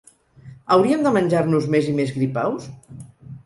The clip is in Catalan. Hauríem de menjar-nos més i més gripaus?